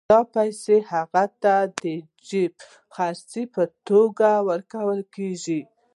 دا پیسې هغوی ته د جېب خرچۍ په توګه ورکول کېږي